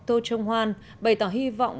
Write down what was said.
tô trung hoan bày tỏ hy vọng